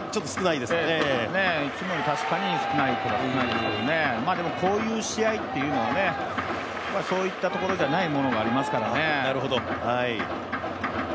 いつもより確かに少ないですよね、でもこういう試合っていうのは、そういったところじゃないものがありますからね。